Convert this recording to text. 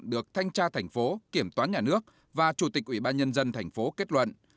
được thanh tra thành phố kiểm toán nhà nước và chủ tịch ủy ban nhân dân thành phố kết luận